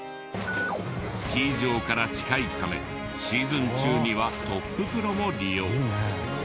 スキー場から近いためシーズン中にはトッププロも利用。